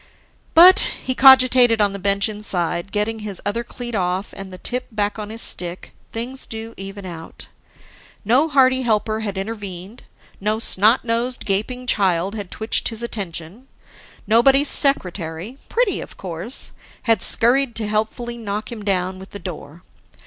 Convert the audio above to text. But, he cogitated on the bench inside, getting his other cleat off and the tip back on his stick, things do even out. No hearty helper had intervened, no snot nosed, gaping child had twitched his attention, nobody's secretary pretty of course had scurried to helpfully knock him down with the door.